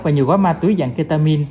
và nhiều gói ma túy dạng ketamine